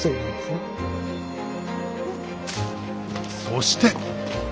そして。